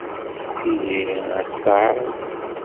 Tiziri ad tt-teɛreḍ.